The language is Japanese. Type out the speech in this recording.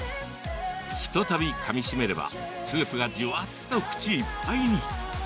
ひとたびかみしめればスープがじゅわっと口いっぱいに。